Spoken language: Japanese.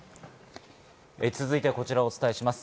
続いてはこちらをお伝えします。